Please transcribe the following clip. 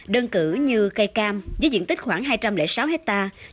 đơn cử như cây cam với diện tích khoảng hai trăm linh sáu hectare